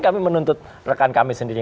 kami menuntut rekan kami sendiri